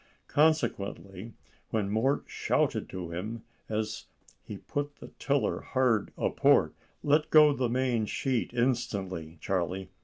Consequently, when Mort shouted to him, as he put the tiller hard a port, "Let go the main sheet instantly, Charlie!"